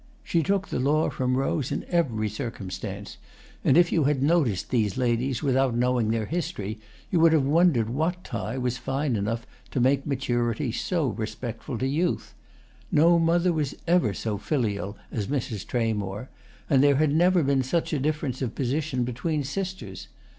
She took the law from Rose in every circumstance, and if you had noticed these ladies without knowing their history you would have wondered what tie was fine enough to make maturity so respectful to youth. No mother was ever so filial as Mrs. Tramore, and there had never been such a difference of position between sisters.